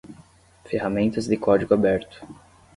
ferramentas de código aberto